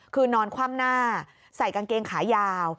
คือนอนคว่ำหน้าใส่กางเกงขายาว